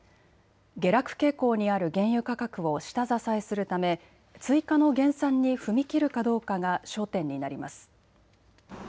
下落傾向にある原油価格を下支えするため追加の減産に踏み切るかどうかが焦点になります。